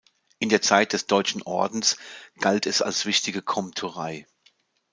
In der Zeit des Deutschen Ordens galt es als wichtige Komturei.